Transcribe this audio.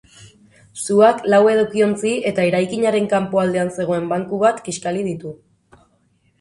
Suak lau edukiontzi eta eraikinaren kanpoaldean zegoen banku bat kiskali ditu.